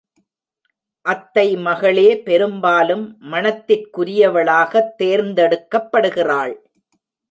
அத்தை மகளே பெரும்பாலும் மணத்திற்குரியவளாகத் தேர்ந்தெடுக்கப்படுகிறாள்.